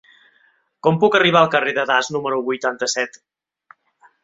Com puc arribar al carrer de Das número vuitanta-set?